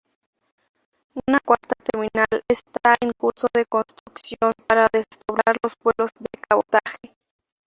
Una cuarta terminal está en curso de construcción para desdoblar los vuelos de cabotaje.